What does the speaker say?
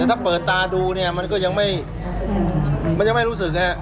ถ้าเปิดตาดูเนี่ยมันก็ยังไม่รู้สึกฮะ